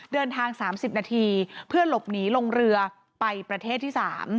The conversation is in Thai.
๓๐นาทีเพื่อหลบหนีลงเรือไปประเทศที่๓